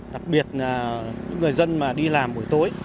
đặc biệt là những người dân mà đi làm buổi tối